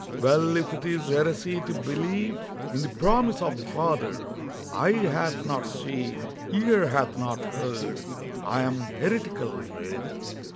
Well, if it is heresy to believe In the promise of the Father, "Eye hath not seen, ear hath not heard," I am heretical, rather.